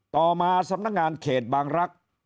ต่อมาสำนักงานเขตบางรักษ์